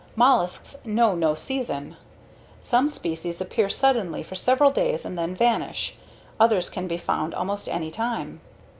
Mollusks know no season. Some species appear suddenly for several days and then vanish; others can be found almost anytime.